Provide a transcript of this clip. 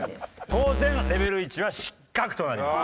当然レベル１は失格となります。